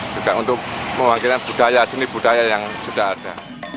juga untuk mewakili budaya seni budaya yang sudah ada